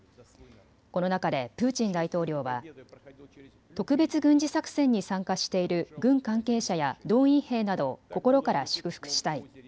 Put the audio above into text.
この中でプーチン大統領は特別軍事作戦に参加している軍関係者や動員兵などを心から祝福したい。